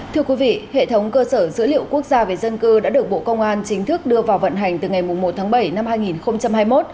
thưa quý vị hệ thống cơ sở dữ liệu quốc gia về dân cư đã được bộ công an chính thức đưa vào vận hành từ ngày một tháng bảy năm hai nghìn hai mươi một